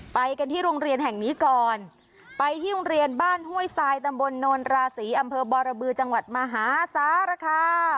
ไปกันที่โรงเรียนแห่งนี้ก่อนไปที่โรงเรียนบ้านห้วยทรายตำบลโนนราศีอำเภอบรบือจังหวัดมหาสารคา